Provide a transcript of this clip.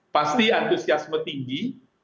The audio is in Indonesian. pasti antusiasme tinggi